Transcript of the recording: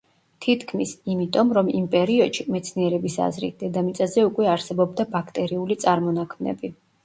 თითქმის – იმიტომ, რომ იმ პერიოდში, მეცნიერების აზრით, დედამიწაზე უკვე არსებობდა ბაქტერიული წარმონაქმნები.